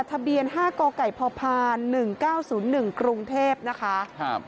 ทะเบียนห้ากรไก่พอพานหนึ่งเก้าศูนย์หนึ่งกรุงเทพนะคะครับ